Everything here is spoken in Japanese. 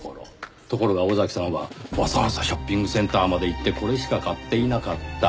ところが尾崎さんはわざわざショッピングセンターまで行ってこれしか買っていなかった。